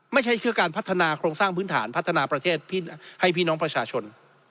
ไม่ใช่เพื่อการพัฒนาโครงสร้างพื้นฐานพัฒนาประเทศให้พี่น้องประชาชน